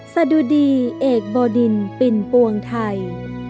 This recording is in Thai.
สะดุดีเอกบดินปิ่นปวงไทย